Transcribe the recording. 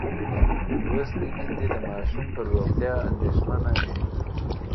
لوستې میندې د ماشوم پر روغتیا اندېښمنه وي.